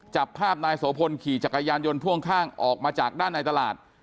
จับภาพนายโสพลขี่จักรยานยนต์พ่วงข้างออกมาจากด้านในตลาด